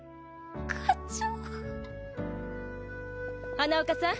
花岡さん